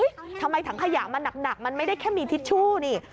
ทำไมถังขยะมันหนักมันไม่ได้แค่มีทิชชู่นี่